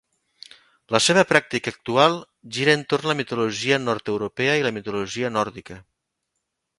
La seva pràctica actual gira entorn la mitologia nord-europea i la mitologia nòrdica.